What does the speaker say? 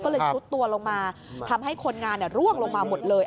ก็เลยซุดตัวลงมาทำให้คนงานร่วงลงมาหมดเลย